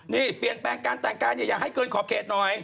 นี่เปลี่ยนแปลงการแต่งกายอยากให้เกินขอบเขตหน่อย